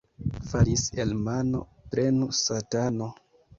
Falis el mano, prenu satano.